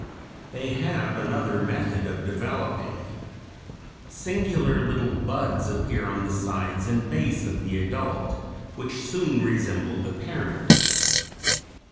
They have another method of developing. Singular little "buds" appear on the sides and base of the adult, which soon resemble the parent.